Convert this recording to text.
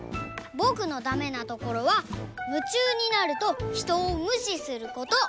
ぼくのだめなところは「むちゅうになるとひとをむしする」こと。